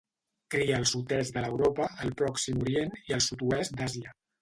Cria al sud-est de l'Europa, al Pròxim Orient i al sud-oest d'Àsia.